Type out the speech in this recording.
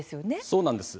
そうなんです。